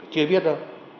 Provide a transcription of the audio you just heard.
chưa biết đâu